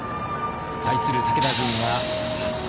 対する武田軍は８千。